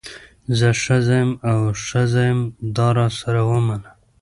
زه ښځه یم او ښځه یم دا راسره ومنه.